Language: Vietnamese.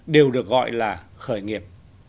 điều được gọi là khởi nghiệp